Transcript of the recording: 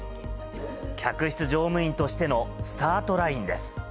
客室乗務員としてのスタートラインです。